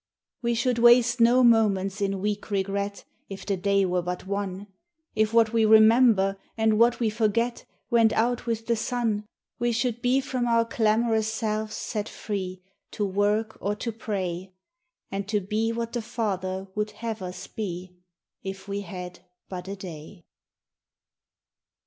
We should waste no moments in weak regret, If the day were but one; If what we remember and what we forget Went out with the sun; We should be from our clamorous selves set free, To work or to pray, And to be what the Father would have us be. If we had but a day.